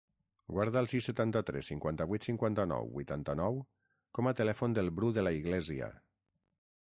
Guarda el sis, setanta-tres, cinquanta-vuit, cinquanta-nou, vuitanta-nou com a telèfon del Bru De La Iglesia.